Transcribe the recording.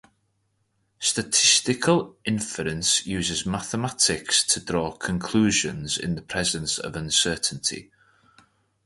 Statistical inference uses mathematics to draw conclusions in the presence of uncertainty.